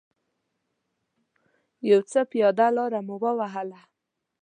یو څه پیاده لاره مو و وهله.